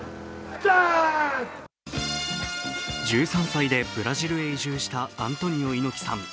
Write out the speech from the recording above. １３歳でブラジルへ移住したアントニオ猪木さん。